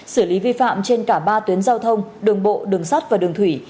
xử lý vi phạm trên cả ba tuyến giao thông đường bộ đường sắt và đường thủy